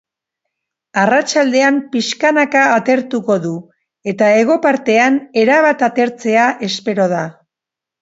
Arratsaldean, pixkanaka atertuko du, eta hego partean erabat atertzea espero da.